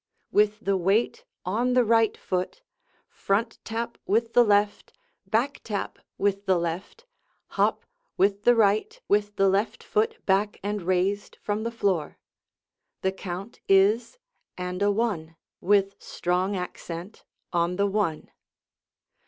With the weight on the right foot, front tap with the left, back tap with the left, hop with the right, with the left foot back and raised from the floor. The count is "And a one," with strong accent on the "one."